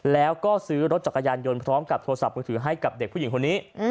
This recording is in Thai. แล้วก็ซื้อรถจักรยานยนต์พร้อมกับโทรศัพท์มือถือให้กับเด็กผู้หญิงคนนี้